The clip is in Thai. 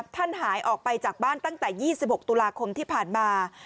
หายออกไปจากบ้านตั้งแต่๒๖ตุลาคมที่ผ่านมา